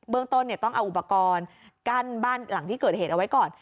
เมืองต้นต้องเอาอุปกรณ์กั้นบ้านหลังที่เกิดเหตุเอาไว้ก่อน